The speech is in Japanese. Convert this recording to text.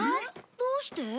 どうして？